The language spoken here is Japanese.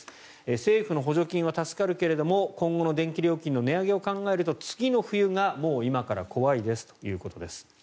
政府の補助金は助かるけれども今後の電気料金の値上げを考えると次の冬がもう今から怖いですということです。